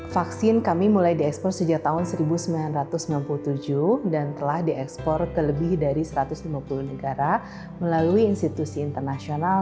vaksin kami mulai diekspor sejak tahun seribu sembilan ratus sembilan puluh tujuh dan telah diekspor ke lebih dari satu ratus lima puluh negara melalui institusi internasional